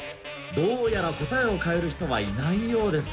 どうやら答えを変える人はいないようですね。